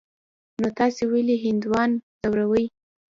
نو تاسې ولي هندوان ځوروئ.